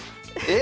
え？